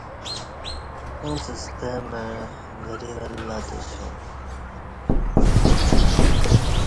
اُݩڅ ستمع وری ولہ تاسیوم